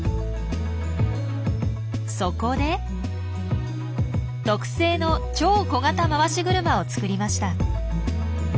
そこで特製の超小型回し車を作りました。